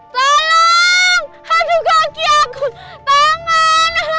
tolong haduh kaki aku tangan gak bisa berdiri